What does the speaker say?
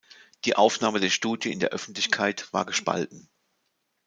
Die Aufnahme der Studie in der Öffentlichkeit war gespalten.